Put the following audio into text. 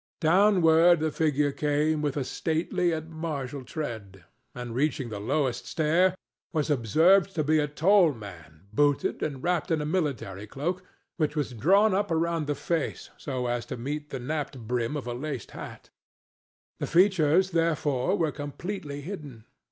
Downward the figure came with a stately and martial tread, and, reaching the lowest stair, was observed to be a tall man booted and wrapped in a military cloak, which was drawn up around the face so as to meet the napped brim of a laced hat; the features, therefore, were completely hidden.